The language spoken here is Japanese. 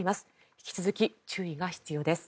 引き続き注意が必要です。